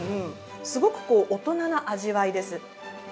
すごく大人な味わいです。